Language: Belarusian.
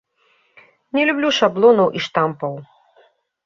Не люблю шаблонаў і штампаў.